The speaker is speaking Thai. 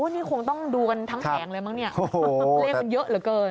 นี่คงต้องดูกันทั้งแผงเลยมั้งเนี่ยเลขมันเยอะเหลือเกิน